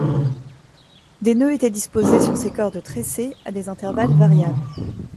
Des nœuds étaient disposés sur ces cordes tressées, à des intervalles variables.